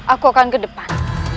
aku akan ke depan